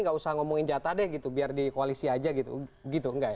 nggak usah ngomongin jatah deh gitu biar di koalisi aja gitu gitu nggak ya